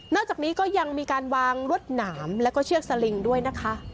จากนี้ก็ยังมีการวางรวดหนามแล้วก็เชือกสลิงด้วยนะคะ